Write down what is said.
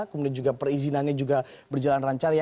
kemudian juga perizinannya juga berjalan rancar